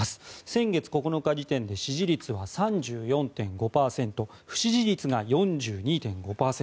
先月９日時点で支持率は３４．５％不支持率が４２．５％。